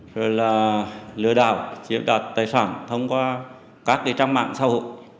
rồi là lừa đảo chiếm đoạt tài sản thông qua các cái trang mạng xã hội